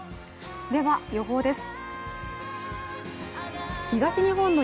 では予報です。